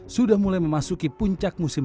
sudah mulai memasuki puncak musim